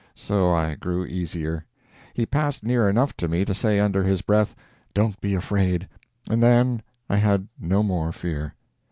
So I grew easier. He passed near enough to me to say under his breath, "Don't be afraid," and then I had no more fear.